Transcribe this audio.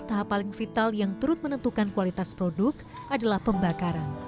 tahap paling vital yang turut menentukan kualitas produk adalah pembakaran